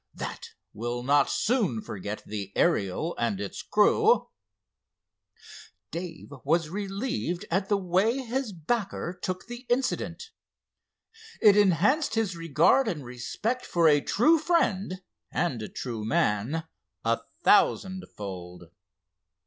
That will not soon forget the Ariel and its crew." Dave was relieved at the way his backer took the incident. It enhanced his regard and respect for a true friend and a true man a thousand fold.